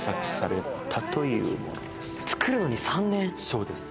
そうです。